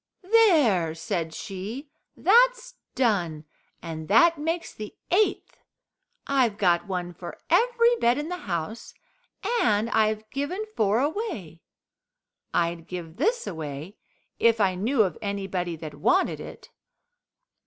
"There," said she, "that's done, and that makes the eighth. I've got one for every bed in the house, and I've given four away. I'd give this away if I knew of anybody that wanted it."